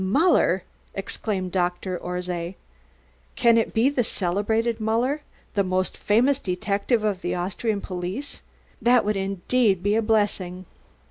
'" "Muller?" exclaimed Dr. Orszay. "Can it be the celebrated Muller, the most famous detective of the Austrian police? That would indeed be a blessing."